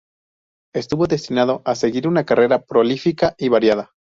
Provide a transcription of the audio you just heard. Estuvo destinado a seguir una carrera prolífica y variada.